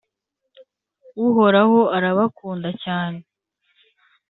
Uhoraho arabakunda cyane